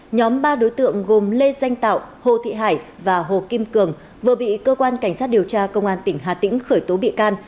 nhóm ba đối tượng gồm lê danh tạo hồ thị hải và hồ kim cường vừa bị cơ quan cảnh sát điều tra công an tỉnh hà tĩnh khởi tố bị can